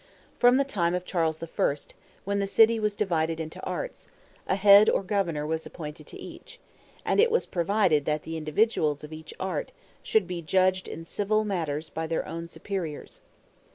For in the time of Charles I., when the city was divided into arts, a head or governor was appointed to each, and it was provided that the individuals of each art, should be judged in civil matters by their own superiors.